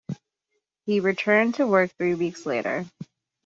He returned to work three weeks later.